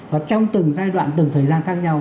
và trong từng giai đoạn từng thời gian khác nhau